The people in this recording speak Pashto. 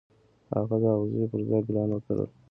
هغه د اغزيو پر ځای ګلان وکرل.